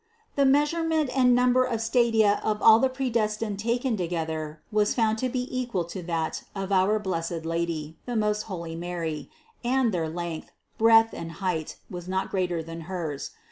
The measurement and number of stadia of all the predes THE CONCEPTION 229 lined taken together was found to be equal to that of our blessed Lady, the most holy Mary, and their length, breadth and height was not greater than hers.